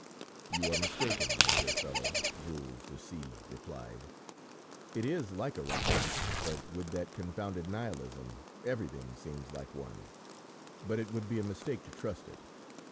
"You are mistaken, my dear fellow," Jules de C replied. "It is like a romance, but with that confounded Nihilism, everything seems like one, but it would be a mistake to trust to it.